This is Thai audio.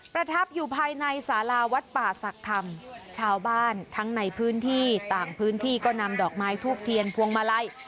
ประทับอยู่ภายในสาราวัดป่าศักดิ์คำชาวบ้านทั้งในพื้นที่ต่างพื้นที่ก็นำดอกไม้ทูบเทียนพวงมาลัย